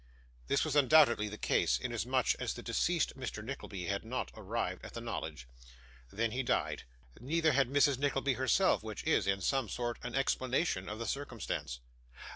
This was undoubtedly the case, inasmuch as the deceased Mr. Nickleby had not arrived at the knowledge when he died. Neither had Mrs. Nickleby herself; which is, in some sort, an explanation of the circumstance.